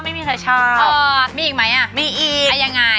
มีอีกไหมอะไอ้ยังไงมีอีก